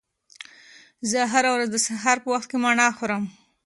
زه هره ورځ د سهار په وخت کې مڼه خورم.